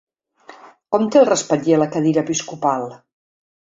Com té el respatller la cadira episcopal?